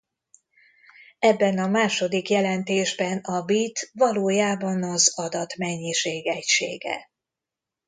Ebben a második jelentésben a bit valójában az adatmennyiség egysége.